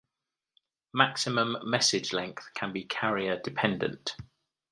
Maximum message length can be carrier-dependent.